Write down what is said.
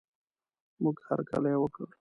موږ هر کلی یې وکړ.